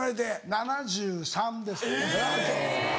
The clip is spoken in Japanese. ７３ですね。